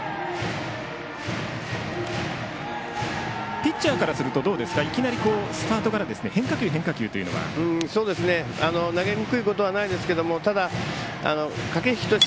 ピッチャーからするとどうですかいきなりスタートから変化球、変化球というのは。投げにくいことはないです。